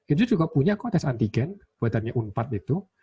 itu juga punya kondisi antigen buatannya unpad itu